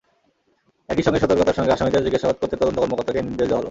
একই সঙ্গে সতর্কতার সঙ্গে আসামিদের জিজ্ঞাসাবাদ করতে তদন্ত কর্মকর্তাকে নির্দেশ দেওয়া হলো।